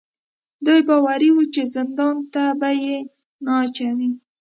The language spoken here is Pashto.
دوی باوري وو چې زندان ته به یې نه اچوي.